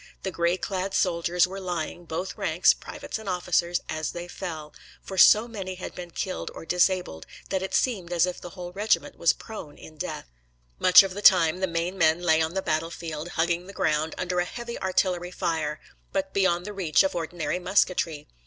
The gray clad soldiers were lying, both ranks, privates and officers, as they fell, for so many had been killed or disabled that it seemed as if the whole regiment was prone in death. Much of the time the Maine men lay on the battle field, hugging the ground, under a heavy artillery fire, but beyond the reach of ordinary musketry.